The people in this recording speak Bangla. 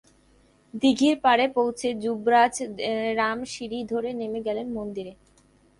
দীঘির পাড়ে পৌঁছে যুবরাজ রাম সিঁড়ি ধরে নেমে গেলেন মন্দিরে।